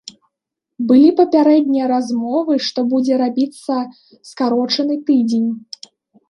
Былі папярэднія размовы, што будзе рабіцца скарочаны тыдзень.